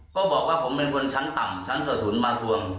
ก็บอกว่าผมเป็นคนชั้นต่ำชั้นสถุนมาทวง